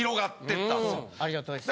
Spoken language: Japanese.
ありがとうございます。